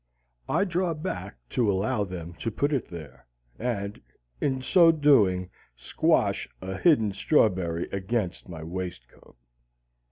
I draw back to allow them to put it there, and in so doing squash a hidden strawberry against my waistcoat.